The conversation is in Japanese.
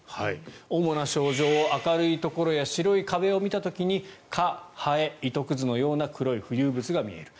主な症状、明るいところや白い壁を見た時に蚊、ハエ、糸くずのような黒い浮遊物が見える。